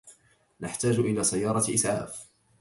نحتاج إلى سيارة إسعاف.